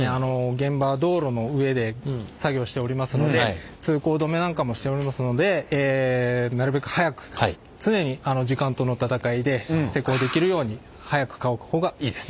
現場道路の上で作業しておりますので通行止めなんかもしておりますのでなるべく早く常に時間との闘いで施工できるように速く乾く方がいいです。